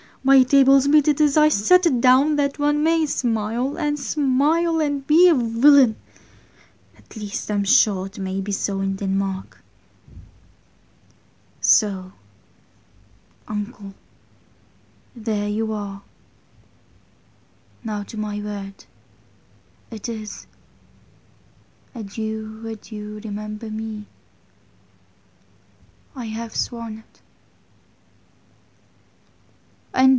My Tables, my Tables; meet it is I set it downe, That one may smile, and smile and be a Villaine; At least I'm sure it may be so in Denmarke; So Vnckle there you are: now to my word; It is; Adue, Adue, Remember me: I haue sworn't Hor.